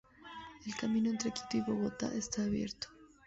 El camino entre Quito y Bogotá está abierto.